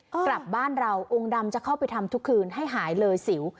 กลับบ้านเราองค์ดำจะเข้าไปทำทุกคืนให้หายเลยสิว